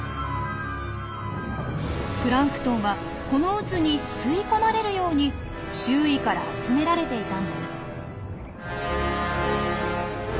プランクトンはこの渦に吸い込まれるように周囲から集められていたんです。